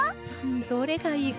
どれがいいかしら。